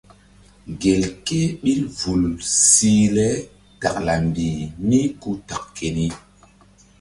Gelke ɓil vul sih le takla mbih mí ku tak keni.